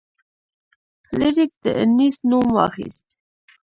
فلیریک د انیسټ نوم واخیست.